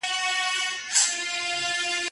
پر اسمان سپیني سپوږمیه د خدای روی مي دی دروړی